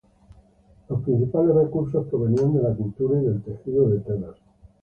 Los principales recursos provenían de la cultura y del tejido de telas.